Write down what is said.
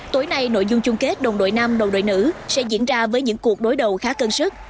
tối nay nội dung chung kết đồng đội nam đồng đội nữ sẽ diễn ra với những cuộc đối đầu khá cân sức